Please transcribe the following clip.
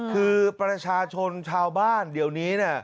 คือประชาชนชาวบ้านเดี๋ยวนี้